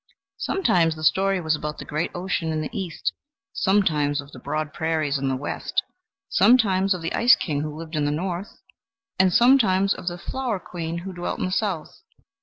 Sometimes the story was about the great ocean in the East, sometimes of the broad prairies in the West, sometimes of the ice king who lived in the North, and sometimes of the flower queen who dwelt in the South.